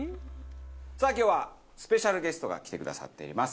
さあ今日はスペシャルゲストが来てくださっています。